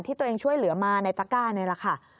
ที่ตัวเองช่วยเหลือมาในตะก้านี่แหละค่ะ